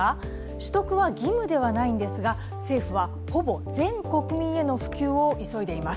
取得は義務ではないんですが政府はほぼ全国民への普及を急いでいます。